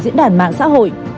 nhiều diễn đàn mạng xã hội